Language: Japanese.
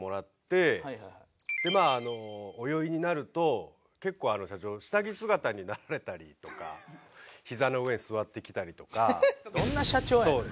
でまあお酔いになると結構社長下着姿になられたりとかひざの上に座ってきたりとか。